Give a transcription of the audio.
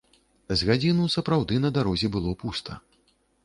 З гадзіну сапраўды на дарозе было пуста.